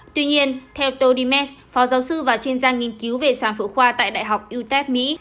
tuy nhiên theo todi metz phó giáo sư và chuyên gia nghiên cứu về sản phụ khoa tại đại học utep mỹ